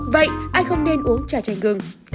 vậy ai không nên uống chà chanh gừng